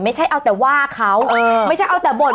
ไม่ใช่เอาแต่ว่าเขาไม่ใช่เอาแต่บ่น